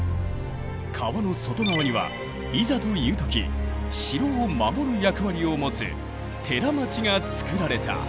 川の外側にはいざという時城を守る役割を持つ寺町がつくられた。